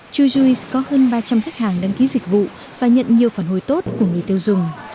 chujuice có hơn ba trăm linh khách hàng đăng ký dịch vụ và nhận nhiều phản hồi tốt của người tiêu dùng